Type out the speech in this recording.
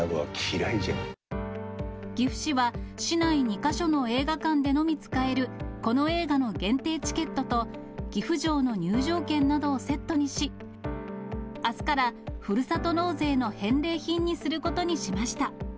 岐阜市は、市内２か所の映画館でのみで使えるこの映画の限定チケットと、岐阜城の入場券などをセットにし、あすから、ふるさと納税の返礼品にすることにしました。